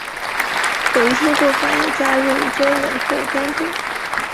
有一些做法也加入榛仁或干果。